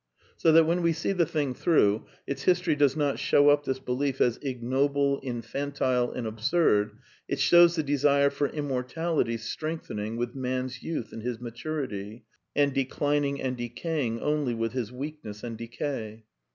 So that when we see the thing through, its history does not show up this belief as ignoble, infantile, and absurd. It shows the desire for immortality strengthening with man's youth and his maturity, and declining and decaying only with his weakness and decay.